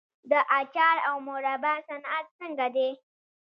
د اچار او مربا صنعت څنګه دی؟